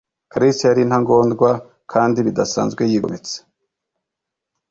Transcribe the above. Kalisa yari intagondwa - kandi bidasanzwe yigometse.